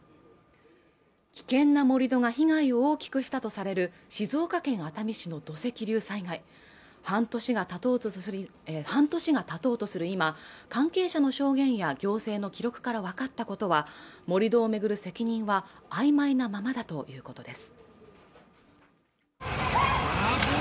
危険な盛り土が被害を大きくしたとされる静岡県熱海市の土石流災害半年がたとうとする今関係者の証言や行政の記録から分かったことは盛り土をめぐる責任はあいまいなままだということです